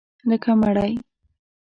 لکه مړی